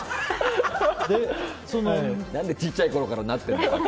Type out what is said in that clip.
何でちっちゃいころからなってるんだよ。